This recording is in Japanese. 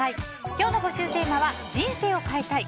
今日の募集テーマは人生を変えたい！